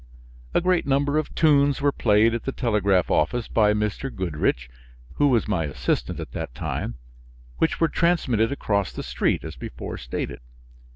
A great number of tunes were played at the telegraph office by Mr. Goodridge, who was my assistant at that time, which were transmitted across the street, as before stated.